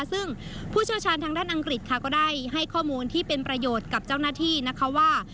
ซึ่งผู้เชี่ยวชาญทางด้านอังกฤษค่ะก็ได้ให้ข้อมูลที่เป็นประโยชน์กับเจ้าหน้าที่นะคะว่า